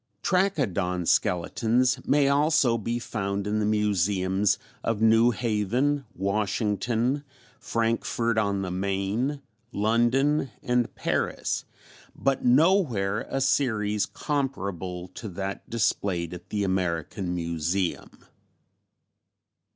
Trachodon skeletons may also be found in the Museums of New Haven, Washington, Frankfurt on the Main, London and Paris, but nowhere a series comparable to that displayed at the American Museum.